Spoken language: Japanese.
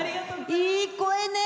いい声ね！